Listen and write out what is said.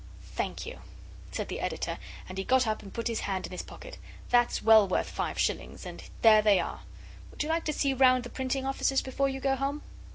'Thank you,' said the Editor, and he got up and put his hand in his pocket. 'That's well worth five shillings, and there they are. Would you like to see round the printing offices before you go home?